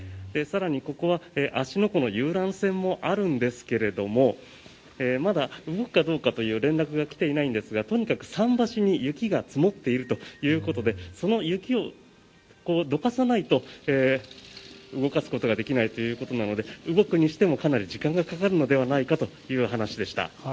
更に、ここは芦ノ湖の遊覧船もあるんですがまだ動くかどうかという連絡は来ていないんですがとにかく、桟橋に雪が積もっているということでその雪をどかさないと動かすことができないということなので動くにしてもかなり時間がかかるのではないかという話でした。